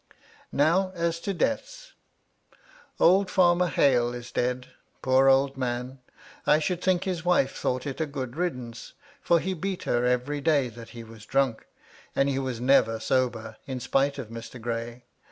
' Now, as to deaths, old Farmer Hale is dead — poor ' old man, I should think his wife thought it a good 'riddance, for he beat her every day that he was ' drunk, and he never was sober, in spite of Mr. Gray.